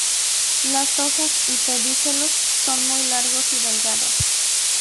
Las hojas y pedicelos son muy largos y delgados.